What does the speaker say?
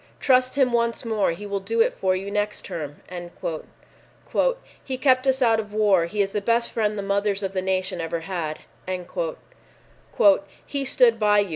"Trust him once more; he will do it for you next term." "He kept us out of war. He is the best friend the mothers of the nation ever had" "He stood by you.